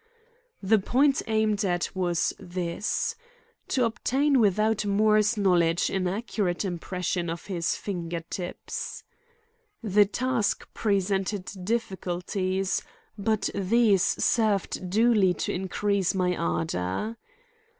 The point aimed at was this: to obtain without Moore's knowledge an accurate impression of his finger tips. The task presented difficulties, but these served duly to increase my ardor.